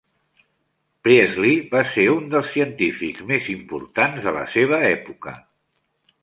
Priestley va ser un dels científics més importants de la seva època.